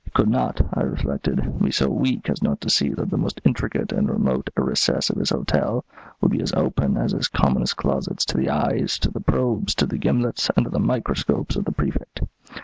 He could not, I reflected, be so weak as not to see that the most intricate and remote recess of his hotel would be as open as his commonest closets to the eyes, to the probes, to the gimlets, and to the microscopes of the Prefect.